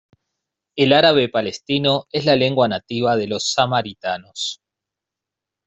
El árabe palestino es la lengua nativa de los samaritanos.